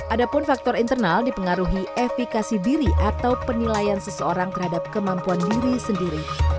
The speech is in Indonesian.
ada pun faktor internal dipengaruhi efekasi diri atau penilaian seseorang terhadap kemampuan diri sendiri